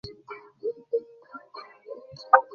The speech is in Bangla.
তিনি তার প্রথম উপন্যাস পুওর ফোক লেখা শেষ করেন।